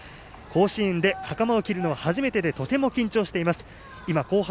甲子園ではかまを着るのは初めてでとても緊張しています。